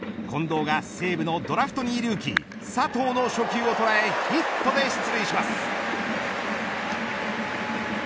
近藤が西武のドラフト２位ルーキー佐藤の初球を捉えヒットで出塁します。